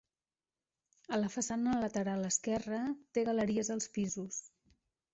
A la façana lateral esquerra, té galeries als pisos.